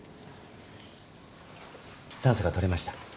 酸素が取れました。